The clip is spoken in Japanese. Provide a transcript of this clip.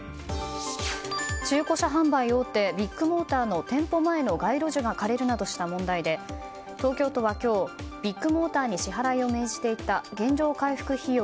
中古車販売大手ビッグモーターの店舗前の街路樹が枯れるなどした問題で東京都は今日、ビッグモーターに支払いを命じていた原状回復費用